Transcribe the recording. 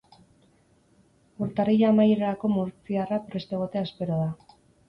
Urtarrila amaierarako murtziarra prest egotea espero da.